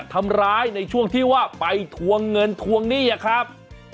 ในช่วงที่ว่าไปทวงเงินทวงหนี้อะครับ